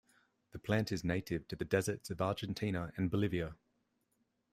The plant is native to the deserts of Argentina and Bolivia.